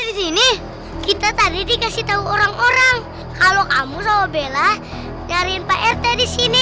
di sini kita tadi dikasih tahu orang orang kalau kamu mau bela cariin pak rt di sini